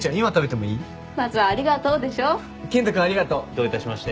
どういたしまして。